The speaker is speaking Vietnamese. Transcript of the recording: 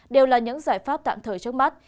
đều là những giải pháp tạm thời trước mắt